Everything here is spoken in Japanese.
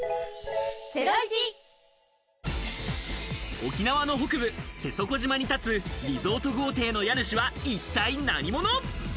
沖縄の北部、瀬底島に建つリゾート豪邸の家主は一体何者？